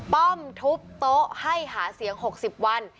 ป้อมทุบโต๊ะให้หาเสียง๖๐วัน